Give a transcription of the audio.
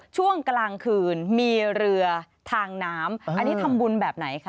ช่วงกลางคืนมีเรือทางน้ำอันนี้ทำบุญแบบไหนคะ